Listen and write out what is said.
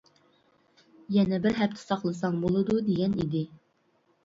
يەنە بىر ھەپتە ساقلىساڭ بولىدۇ دېگەن ئىدى.